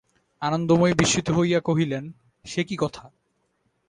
আনন্দময়ী বিস্মিত হইয়া কহিলেন, সে কী কথা!